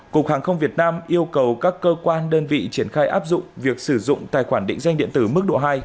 cục hàng không việt nam yêu cầu các cơ quan đơn vị triển khai áp dụng việc sử dụng tài khoản định danh điện tử mức độ hai